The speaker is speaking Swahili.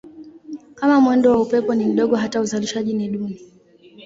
Kama mwendo wa upepo ni mdogo hata uzalishaji ni duni.